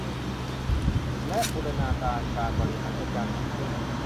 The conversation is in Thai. และบูรณาการการบริหารจัดการพื้นที่